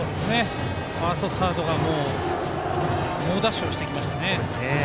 ファースト、サードが猛ダッシュしてきましたね。